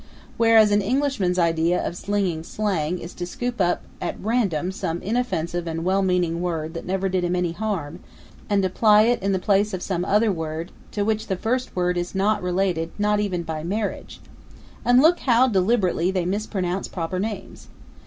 Whereas an Englishman's idea of slinging slang is to scoop up at random some inoffensive and well meaning word that never did him any harm and apply it in the place of some other word, to which the first word is not related, even by marriage. And look how they deliberately mispronounce proper names.